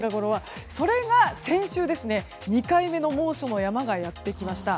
それが先週、２回目の猛暑の山がやってきました。